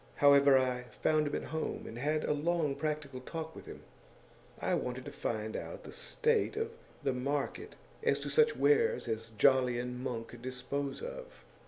However, I found him at home, and had a long practical talk with him. I wanted to find out the state of the market as to such wares as Jolly and Monk dispose of.